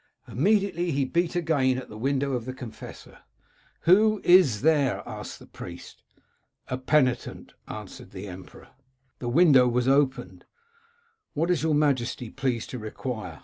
Immediately he beat again at the window of the confessor. 251 Curiosities of Olden Times "* Who IS there ?' asked the priest. "* A penitent/ answered the emperor. " The window was opened. ' What is your majesty pleased to require?